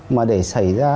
mà để xảy ra